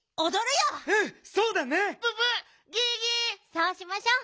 そうしましょう！